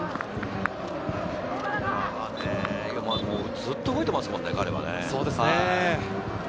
ずっと動いていますもんね、彼は。